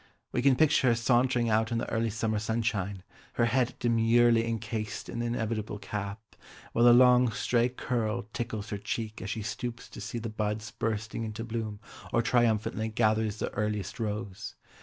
We can picture her sauntering out in the early summer sunshine, her head demurely encased in the inevitable cap, while the long stray curl tickles her cheek as she stoops to see the buds bursting into bloom or triumphantly gathers the earliest rose.